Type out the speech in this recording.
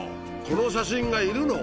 この写真がいるの？